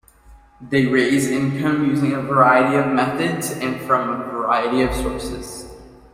They raise income using a variety of methods and from a variety of sources.